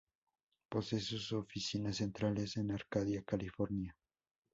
Posee sus oficinas centrales en Arcadia, California.